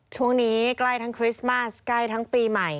ช่วงนี้ใกล้ทั้งคริสต์มาสใกล้ทั้งปีใหม่